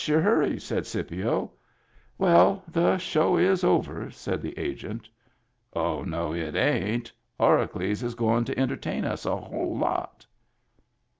" What's your hurry ?" said Scipio. " Well, the show is over," said the Agent. " Oh, no, it ain't. Horacles is goin' to entertain us a whole lot."